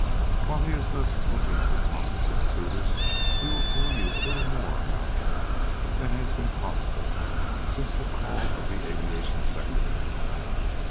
While he is thus looking for possible intruders we will tell you a little more about him than has been possible since the call of the aviation secretary.